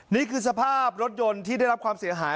นี่คือสภาพรถยนต์ที่ได้รับความเสียหาย